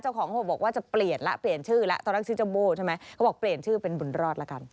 เจ้าของหกบอกว่าจะเปลี่ยนแล้วเปลี่ยนชื่อแล้วตอนแรกชื่อเจ้าโบ้ใช่ไหมเขาบอกเปลี่ยนชื่อเป็นบุญรอดละกัน